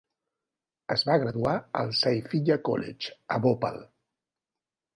Es va graduar el Saifiya College a Bhopal.